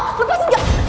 lepasin gue gak